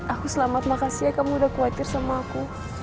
aku selamat makasih ya kamu udah khawatir sama aku